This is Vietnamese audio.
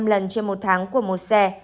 năm lần trên một tháng của một xe